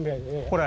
これ？